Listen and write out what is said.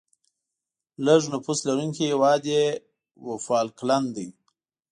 لیږ نفوس لرونکی هیواد یې وفالکلند دی.